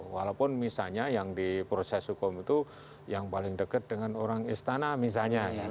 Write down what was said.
walaupun misalnya yang di proses hukum itu yang paling dekat dengan orang istana misalnya